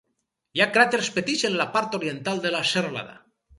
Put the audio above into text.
Hi ha cràters petits en la part oriental de la serralada.